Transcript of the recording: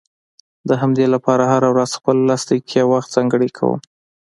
د همدې لپاره هره ورځ خپل لس دقيقې وخت ځانګړی کوم.